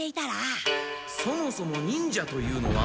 そもそも忍者というのは。